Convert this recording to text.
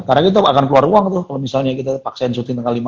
karena itu akan keluar uang tuh kalau misalnya kita paksain syuting tanggal lima enam